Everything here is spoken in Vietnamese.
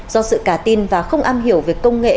do sự cả tin và không am hiểu về công nghệ